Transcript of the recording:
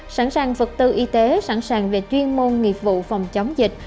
sẵn sàng vật tư y tế sẵn sàng về chuyên môn nghiệp vụ phòng chống dịch